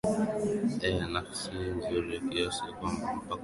ee nafasi si nzuri na kiasi kwamba mpaka wakajaribu kuterminate mkataba wa mwalimu wao